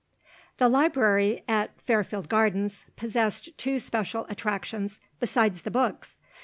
The library at Fairfield Gardens possessed two special attractions, besides the books.